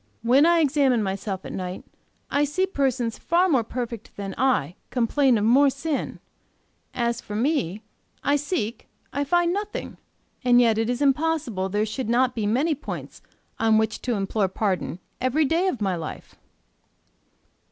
When I examine myself at night, I see persons far more perfect than I complain of more sin: as for me, I seek, I find nothing; and yet it is impossible there should not be many points on which to implore pardon every day of my life.